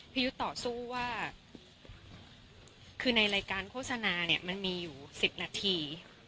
ยุทธ์ต่อสู้ว่าคือในรายการโฆษณาเนี่ยมันมีอยู่๑๐นาที